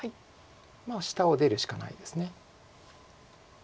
下を出るしかないです。